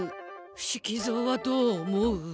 伏木蔵はどう思う？